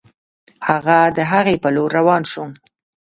هغه د هغې په لور روان شو